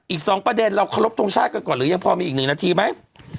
อีก๒ประเด็นเราเคารพทรงชาติกันก่อนหรือยังพอมีอีก๑นาทีไหม